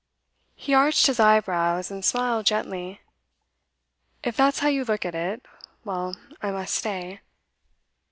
He arched his eyebrows, and smiled gently. 'If that's how you look at it well, I must stay.